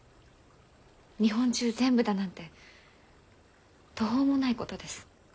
日本中全部だなんて途方もないことです。